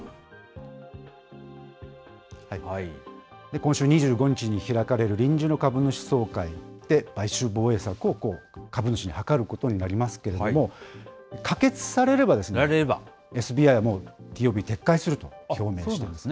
今週２５日に開かれる臨時の株主総会で買収防衛策を株主に諮ることになりますけれども、可決されれば、ＳＢＩはＴＯＢを撤回すると表明しているんですね。